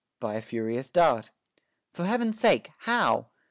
By a furious dart. For heaven's sake, how?